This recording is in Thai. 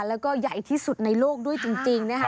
แล้วก็ใหญ่ที่สุดในโลกด้วยจริงนะคะ